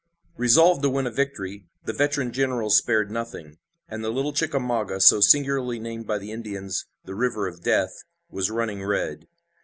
Resolved to win a victory, the veteran generals spared nothing, and the little Chickamauga, so singularly named by the Indians "the river of death," was running red.